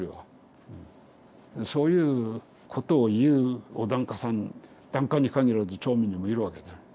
そういうことを言うお檀家さん檀家に限らず町民にもいるわけだ。